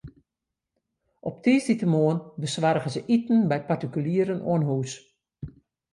Op tiisdeitemoarn besoargje se iten by partikulieren oan hûs.